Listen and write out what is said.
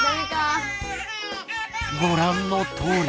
ご覧のとおり。